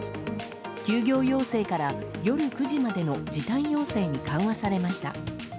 休業要請から夜９時までの時短要請に緩和されました。